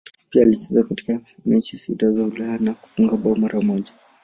Pia alicheza katika mechi sita za Ulaya na kufunga bao mara moja.